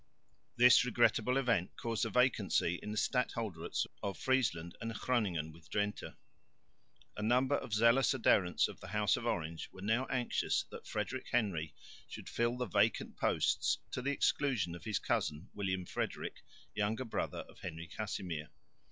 This regrettable event caused a vacancy in the stadholderates of Friesland and Groningen with Drente. A number of zealous adherents of the House of Orange were now anxious that Frederick Henry should fill the vacant posts to the exclusion of his cousin, William Frederick, younger brother of Henry Casimir.